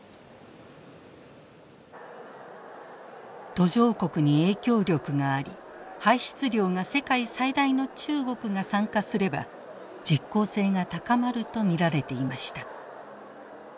途上国に影響力があり排出量が世界最大の中国が参加すれば実効性が高まると見られていました。